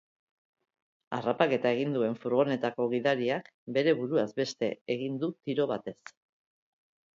Harrapaketa egin duen furgonetako gidariak bere buruaz beste egin du tiro batez.